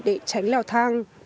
để tránh leo thang